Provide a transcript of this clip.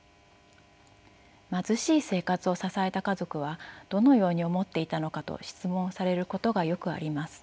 貧しい生活を支えた家族はどのように思っていたのかと質問されることがよくあります。